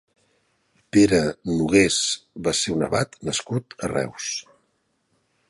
Pere Noguers va ser un abat nascut a Reus.